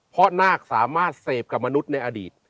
เพราะนาคสามารถเสพกับมนุษย์ในอดีต